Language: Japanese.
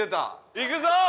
いくぞ！